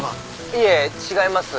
いえ違います。